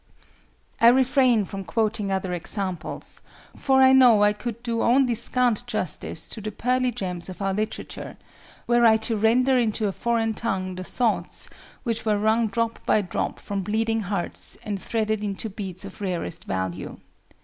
I refrain from quoting other examples, for I know I could do only scant justice to the pearly gems of our literature, were I to render into a foreign tongue the thoughts which were wrung drop by drop from bleeding hearts and threaded into beads of rarest value.